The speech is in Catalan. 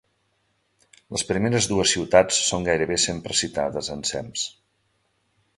Les primeres dues ciutats són gairebé sempre citades ensems.